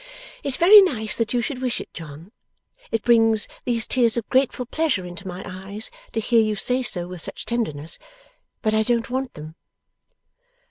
'It's very nice that you should wish it, John. It brings these tears of grateful pleasure into my eyes, to hear you say so with such tenderness. But I don't want them.